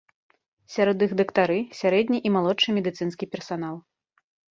Сярод іх дактары, сярэдні і малодшы медыцынскі персанал.